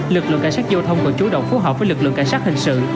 lực lượng cảnh sát giao thông còn chú động phối hợp với lực lượng cảnh sát hình sự